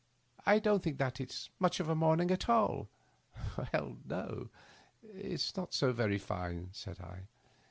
I don't think that it's much of a morning." " Well, no — ^it is not so very fine," said I.